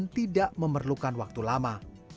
tidak memerlukan waktu lama